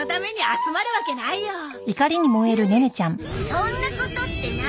そんなことって何？